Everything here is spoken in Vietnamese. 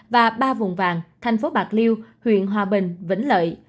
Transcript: và ba vùng vàng thành phố bạc liêu huyện hòa bình vĩnh lợi